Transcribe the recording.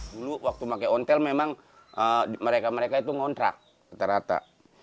dulu waktu pakai ontel memang mereka mereka itu ngontrak rata rata